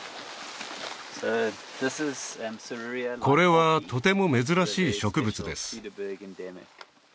これはとても珍しい植物です